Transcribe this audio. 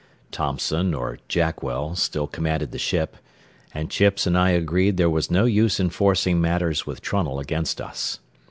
Thompson, or Tackwell, still commanded the ship, and Chips and I agreed there was no use in forcing matters with Trunnell against us.